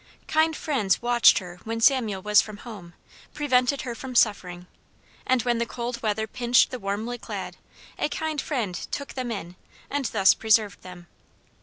Kind friends watched her when Samuel was from home, prevented her from suffering, and when the cold weather pinched the warmly clad, a kind friend took them in, and thus preserved them.